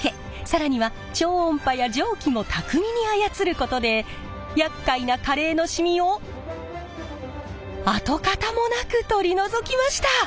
更には超音波や蒸気も巧みに操ることでやっかいなカレーのしみを跡形もなく取り除きました！